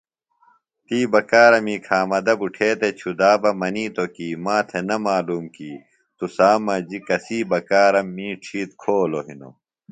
تی بکارمی کھامدہ بُٹھے تھےۡ چُھدا بہ منِیتوۡ کی ماتھےۡ نہ معلوم کی تُسام مجیۡ کسی بکارم می ڇِھیتر کھولوۡ ہِنوۡ۔